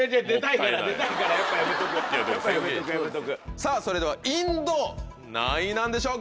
さぁそれではインド何位なんでしょうか？